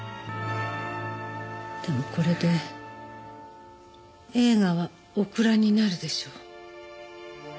でもこれで映画はお蔵になるでしょう。